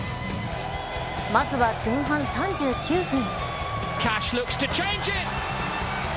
まずは、前半３９分。